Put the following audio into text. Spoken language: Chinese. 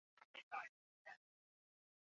必要的健康证明要做到全国互认